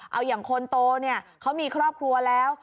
เอาอย่างคนโตเนี่ยเขามีครอบครัวแล้ว